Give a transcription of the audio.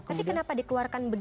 tapi kenapa dikeluarkan